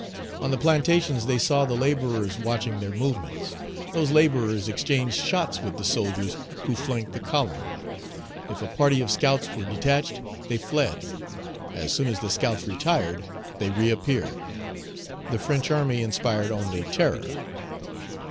On the plantations, they saw the laborers watching their movements. Those laborers exchanged shots with the soldiers who flanked the column. If a party of scouts Page 198 were detached, they fled; as soon as the scouts retired, they reappeared. The French army inspired only terror.